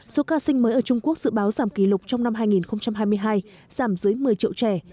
số ca sinh mới ở trung quốc dự báo giảm kỷ lục trong năm hai nghìn hai mươi hai giảm dưới một mươi triệu trẻ